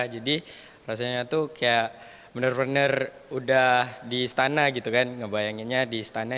jadi rasanya tuh kayak bener bener udah di istana gitu kan ngebayanginnya di istana